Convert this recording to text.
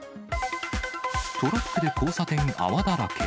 トラックで交差点、泡だらけ。